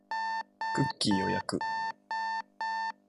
クッキーを焼く